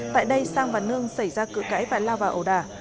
tại đây giang và nương xảy ra cửa cãi và lao vào ổ đà